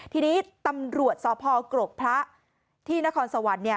ทีนี้ตำรวจสพกรกพระที่นครสวรรค์